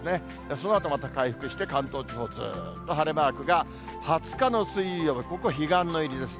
そのあとまた回復して、関東地方、ずっと晴れマークが２０日の水曜日、ここ彼岸の入りです。